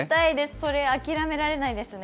それ、諦められないですね。